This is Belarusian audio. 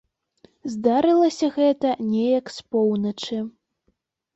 Здарылася гэта неяк з поўначы.